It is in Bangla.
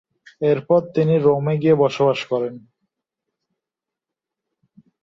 এরপর তিনি রোমে গিয়ে বসবাস করেন।